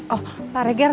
oh pak regar